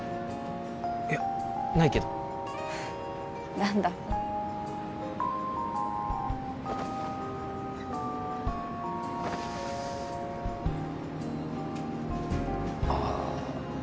いやないけど何だああ